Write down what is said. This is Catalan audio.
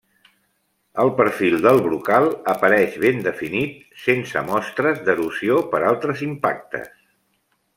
El perfil del brocal apareix ben definit, sense mostres d'erosió per altres impactes.